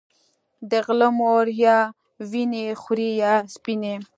د غله مور يا وينې خورې يا سپينې